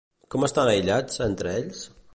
Com estan aïllats entre ells?